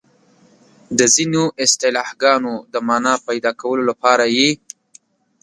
د ځینو اصطلاحګانو د مانا پيدا کولو لپاره یې